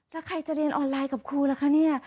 แล้วใครจะเรียนออนไลน์กับครูล่ะคะเนี่ย